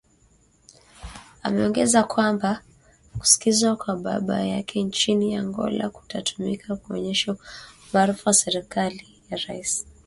Ameongeza kwamba kuzikwa kwa baba yake nchini Angola kutatumika kuonyesha umaarufu wa serikali ya rais